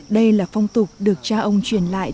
đây là phong tục được cha ông truyền lại từ nhiều đời